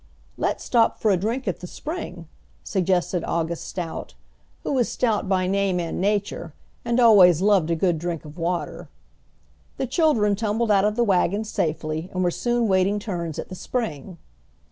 "Let's stop for a drink at the spring," suggested August Stout, who was stout by name and nature, and always loved a good drink of water. The children tumbled out of the wagon safely, and were soon waiting turns at the spring.